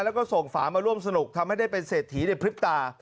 แล้วก็ส่งฝามาร่วมสนุกทำให้ได้เป็นเศรษฐีในพริบตา